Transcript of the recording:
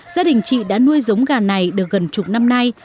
gia đình chị đã nuôi giống gà này được gần chục năm nay